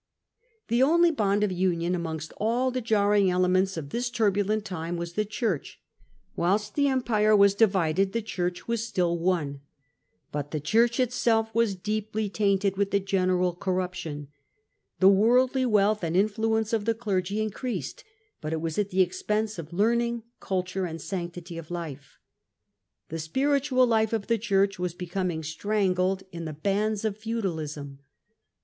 ^The only bond of union amongst all the jarring ele mgn^ of tETs turbulent time was the OhurcHT Whilst oorrnption the Empire was divided, tKe^Ohnrchrwas still cttmroh one. But jihe Church itself was de^^yjbainted with ttie general corruption. The worldly wealth and influence of the clergy increased, but it was at the expense of learning, culture, and sanctity of life. The spiritual life of the Church was becoming strangled in Digitized by VjOOQIC tSTRODUCTOkV It the bands of feudalism.